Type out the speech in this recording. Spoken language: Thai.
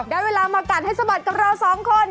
ได้เวลามากัดให้สะบัดกับเราสองคน